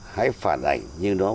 hãy phản ảnh như nó